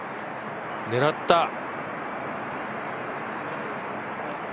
狙った！